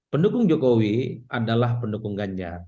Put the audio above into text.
pendukung jokowi adalah pendukung ganjar